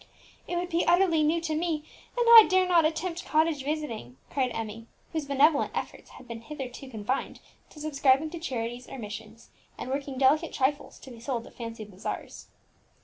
"It would be utterly new to me, and I dare not attempt cottage visiting!" cried Emmie, whose benevolent efforts had hitherto been confined to subscribing to charities or missions, and working delicate trifles to be sold at fancy bazaars.